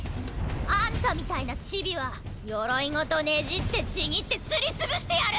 あんたみたいなチビは鎧ごとねじってちぎってすり潰してやる！